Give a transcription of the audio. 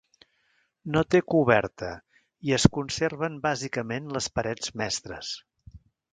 No té coberta i es conserven bàsicament les parets mestres.